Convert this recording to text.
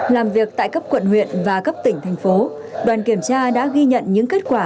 làm việc tại cấp quận huyện và cấp tỉnh thành phố đoàn kiểm tra đã ghi nhận những kết quả